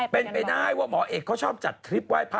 เป็นไปได้ว่าหมอเอกเขาชอบจัดทริปไหว้พระ